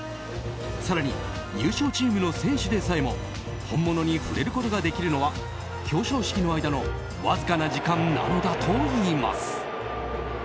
更に優勝チームの選手でさえも本物に触れることができるのは表彰式の間のわずかな時間なのだといいます。